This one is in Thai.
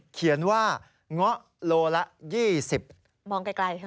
เขียนว่าเงาะโลละ๒๐บาท